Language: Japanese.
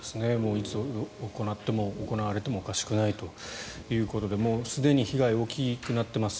いつ行われてもおかしくないということでもうすでに被害は大きくなっています。